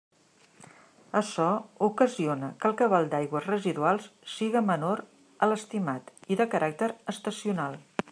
Açò ocasiona que el cabal d'aigües residuals siga menor a l'estimat i de caràcter estacional.